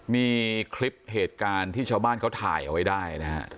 มีคลิปเหตุการณ์ที่ชาวบ้านเขาถ่ายเอาไว้ได้นะฮะ